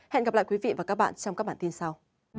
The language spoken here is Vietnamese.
hẹn gặp lại quý vị và các bạn trong các bản tin sau